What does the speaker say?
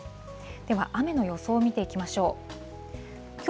では雨の予想を見ていきましょう。